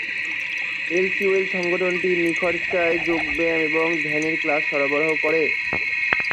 LC ওয়েল সংগঠনটি নিখরচায় যোগব্যায়াম এবং ধ্যানের ক্লাস সরবরাহ করে।